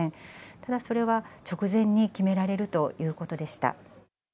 ただ、それは、直前に決められるということでした。